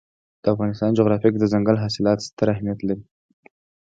د افغانستان جغرافیه کې دځنګل حاصلات ستر اهمیت لري.